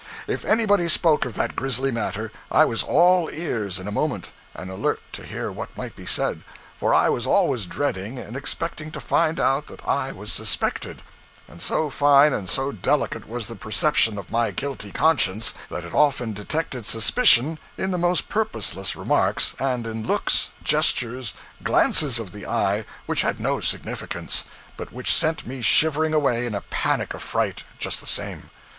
If anybody spoke of that grisly matter, I was all ears in a moment, and alert to hear what might be said, for I was always dreading and expecting to find out that I was suspected; and so fine and so delicate was the perception of my guilty conscience, that it often detected suspicion in the most purposeless remarks, and in looks, gestures, glances of the eye which had no significance, but which sent me shivering away in a panic of fright, just the same.